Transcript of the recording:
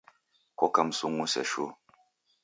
Koka msung'use shuu.